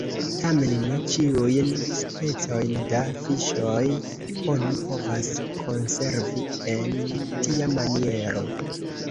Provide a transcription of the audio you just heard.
Tamen ne ĉiujn specojn da fiŝoj oni povas konservi en tia maniero.